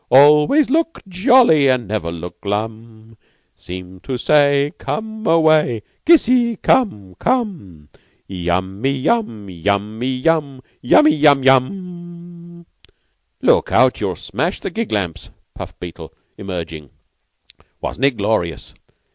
Always look jolly and never look glum; Seem to say Come away. Kissy! come, come! Yummy yum! Yummy yum! Yummy yum yum!" "Look out. You'll smash my gig lamps," puffed Beetle, emerging. "Wasn't it glorious?